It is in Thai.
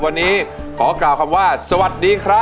วันนี้ขอกล่าวคำว่าสวัสดีครับ